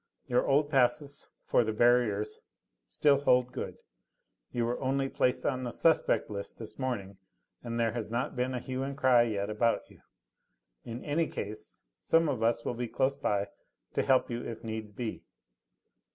Your old passes for the barriers still hold good; you were only placed on the 'suspect' list this morning, and there has not been a hue and cry yet about you. In any case some of us will be close by to help you if needs be."